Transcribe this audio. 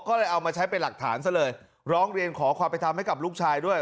ก็เลยเอามาใช้เป็นหลักฐานซะเลยร้องเรียนขอความไปทำให้กับลูกชายด้วย